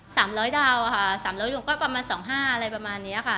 สามร้อยดาวอะค่ะสามร้อยยวงก็ประมาณสองห้าอะไรประมาณเนี้ยค่ะ